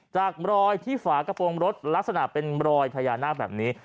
จากรอยที่ฝากระโปรงรถลักษณะเป็นรอยพญานาคแบบนี้